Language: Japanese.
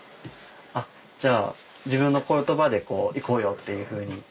じゃあ自分の言葉で「行こうよ」っていうふうに。